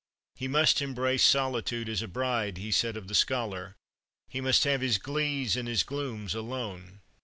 "He must embrace solitude as a bride," he said of the scholar; "he must have his glees and his glooms alone."